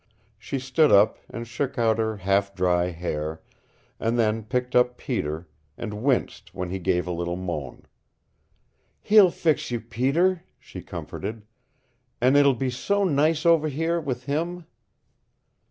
She stood up, and shook out her half dry hair, and then picked up Peter and winced when he gave a little moan. "He'll fix you, Peter," she comforted. "An' it'll be so nice over here with him."